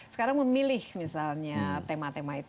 sekarang memilih misalnya tema tema itu